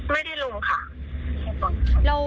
ไม่ได้รุมค่ะ